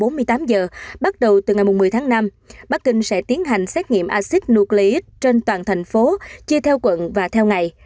trong bốn mươi tám giờ bắt đầu từ ngày một mươi tháng năm bắc kinh sẽ tiến hành xét nghiệm acid nucleic trên toàn thành phố chia theo quận và theo ngày